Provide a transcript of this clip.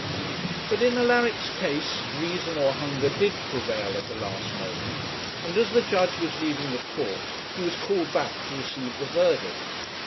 But in Alaric's case, reason or hunger did prevail at the last moment, and as the judge was leaving the court, he was called back to receive the verdict.